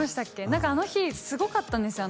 何かあの日すごかったんですよ